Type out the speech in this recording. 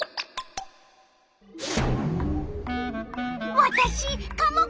わたしカモカモ！